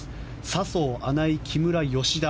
笹生、穴井、木村、吉田